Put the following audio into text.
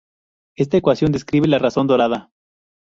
Esta ecuación describe la razón dorada.